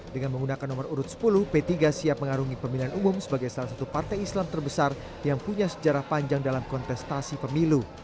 dengan menggunakan nomor urut sepuluh p tiga siap mengarungi pemilihan umum sebagai salah satu partai islam terbesar yang punya sejarah panjang dalam kontestasi pemilu